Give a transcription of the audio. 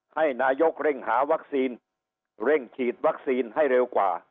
ให้นายกเร่งหาวัคซีนเร่งฉีดวัคซีนให้เร็วกว่า